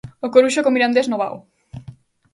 O Coruxo co Mirandés no Vao.